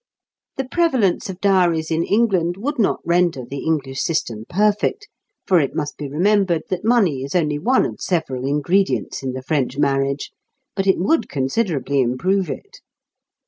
The prevalence of dowries in England would not render the English system perfect (for it must be remembered that money is only one of several ingredients in the French marriage), but it would considerably improve it.